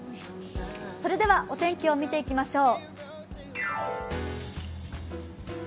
それではお天気を見ていきましょう。